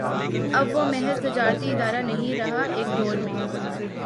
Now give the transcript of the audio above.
اب وہ محض تجارتی ادارہ نہیں رہا ایک دور میں